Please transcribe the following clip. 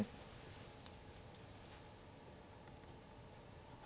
うん。